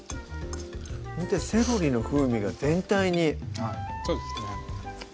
ほんとにセロリの風味が全体にそうですね